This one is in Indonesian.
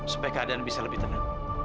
supaya keadaan bisa lebih tenang